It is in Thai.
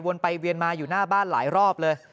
ไปเวียนมาอยู่หน้าบ้านหลายรอบเลย